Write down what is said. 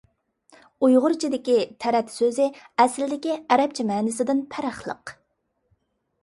ئۇيغۇرچىدىكى «تەرەت» سۆزى ئەسلىدىكى ئەرەبچە مەنىسىدىن پەرقلىق.